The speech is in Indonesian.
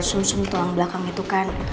sumsum tulang belakang itu kan